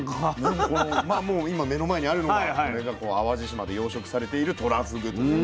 このもう今目の前にあるのがこれが淡路島で養殖されているとらふぐという。